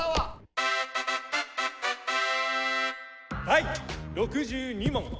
・第６２問！